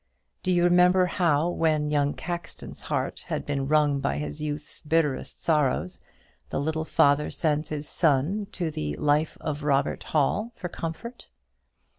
Do you remember how, when young Caxton's heart had been wrung by youth's bitterest sorrows, the father sends his son to the "Life of Robert Hall" for comfort?